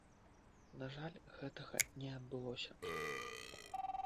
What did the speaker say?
На жаль, гэтага не адбылося.